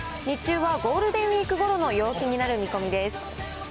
日中はゴールデンウィークごろの陽気になる見込みです。